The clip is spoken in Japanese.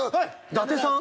伊達さん？